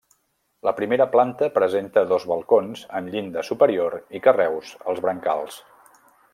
La primera planta presenta dos balcons amb llinda superior i carreus als brancals.